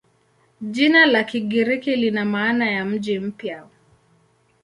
Jina la Kigiriki lina maana ya "mji mpya".